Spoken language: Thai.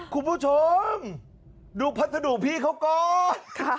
คุณผู้ชมดูพัสดุพี่เขาก่อน